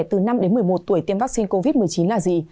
từ năm đến một mươi một tuổi tiêm vaccine covid một mươi chín là gì